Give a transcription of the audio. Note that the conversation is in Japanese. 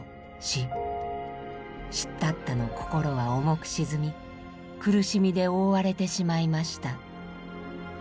シッダッタの心は重く沈み苦しみで覆われてしまいました。